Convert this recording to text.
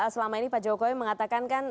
selama ini pak jokowi mengatakan kan